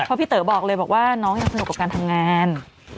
เพราะพี่เต๋อบอกเลยบอกว่าน้องยังสนุกกับการทำงาน